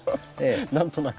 何となく。